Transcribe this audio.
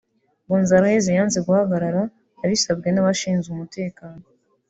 Gonzalez yanze guhagarara abisabwe n’abashinzwe umutekano